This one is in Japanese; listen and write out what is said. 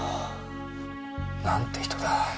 何て人だ。